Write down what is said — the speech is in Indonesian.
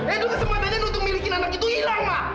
edo kesempatannya untuk miliki anak itu hilang ma